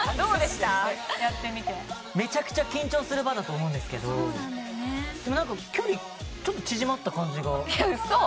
めちゃくちゃ緊張する場だと思うんですけどでもなんか距離ちょっと縮まった感じが。